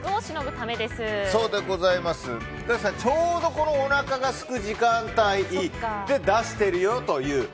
ちょうど、おなかがすく時間帯に出しているという。